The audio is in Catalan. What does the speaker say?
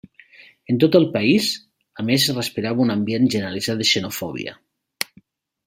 En tot el país, a més es respirava un ambient generalitzat de xenofòbia.